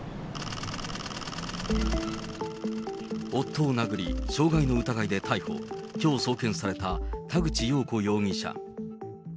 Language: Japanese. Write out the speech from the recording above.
夫を殴り、傷害の疑いで逮捕、きょう送検された田口よう子容疑者。